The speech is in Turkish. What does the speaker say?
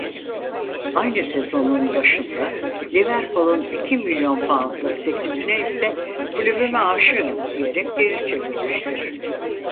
Aynı sezonun başında Liverpool'un iki milyon poundluk teklifini ise "kulübüme aşığım" diyerek geri çevirmiştir.